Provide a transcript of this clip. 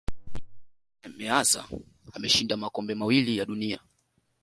giuseppe meazza ameshinda makombe mawili ya dunia